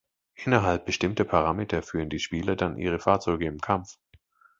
Innerhalb bestimmter Parameter führen die Spieler dann ihre Fahrzeuge im Kampf.